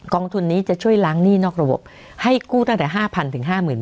องทุนนี้จะช่วยล้างหนี้นอกระบบให้กู้ตั้งแต่๕๐๐ถึง๕๐๐